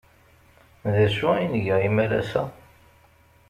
D acu ay nga imalas-a?